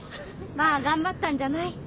まあ頑張ったんじゃない？